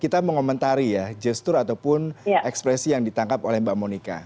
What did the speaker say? kita mengomentari ya gestur ataupun ekspresi yang ditangkap oleh mbak monika